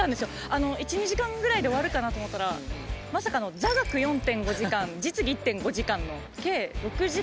１２時間ぐらいで終わるかなと思ったらまさかの座学４．５時間実技１．５時間の計６時間。